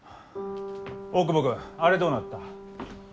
大窪君あれどうなった？